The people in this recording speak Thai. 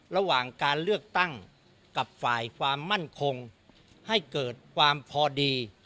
ระหว่างการเลือกตั้งกับฝ่ายความมั่นคงให้เกิดความพอดี